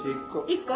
１個？